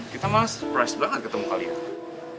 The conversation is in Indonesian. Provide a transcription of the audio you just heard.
kita malah surprise banget ketemu kalian